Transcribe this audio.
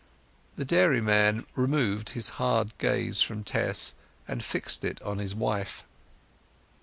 The dairyman removed his hard gaze from Tess, and fixed it on his wife.